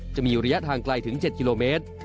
จะมีระยะทางไกลถึง๗กิโลเมตร